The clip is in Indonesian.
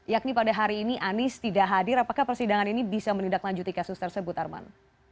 yakni pada hari ini anies tidak hadir apakah persidangan ini bisa menindaklanjuti kasus tersebut arman